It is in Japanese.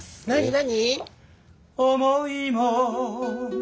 何？